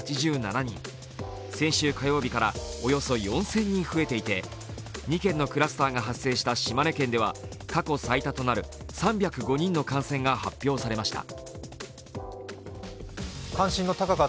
先週火曜日からおよそ４０００人増えていて２件のクラスターが発生した島根県では過去最多となる３０５人の感染が発表されました。